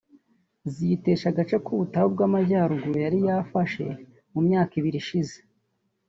ziyitesha agace k’ubutayu bw’amajyaruguru yari yarafashe mu myaka ibiri ishize